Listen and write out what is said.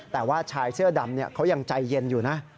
แต่ว่าชายเสื้อดำเขายังใจเย็นอยู่นะ